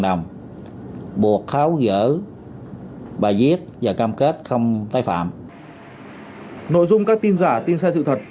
đồng buộc kháo gỡ bà giết và cam kết không tái phạm nội dung các tin giả tin sai sự thật